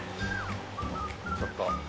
ちょっと。